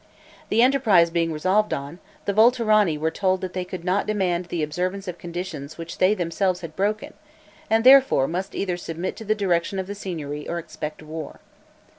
The enterprise being resolved on, the Volterrani were told that they could not demand the observance of conditions which they themselves had broken, and therefore must either submit to the direction of the Signory or expect war.